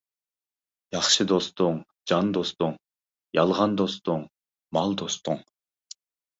ياخشى دوستۇڭ جان دوستۇڭ، يالغان دوستۇڭ مال دوستۇڭ.